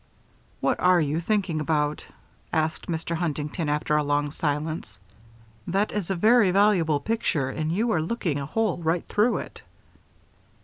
"What are you thinking about?" asked Mr. Huntington, after a long silence. "That is a very valuable picture and you are looking a hole right through it."